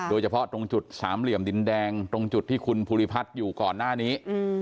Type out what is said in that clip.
โดยเฉพาะตรงจุดสามเหลี่ยมดินแดงตรงจุดที่คุณภูริพัฒน์อยู่ก่อนหน้านี้